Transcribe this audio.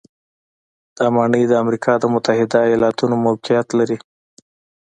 دا ماڼۍ د امریکا د متحدو ایالتونو کې موقعیت لري.